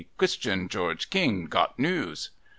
' Christian George King got news.'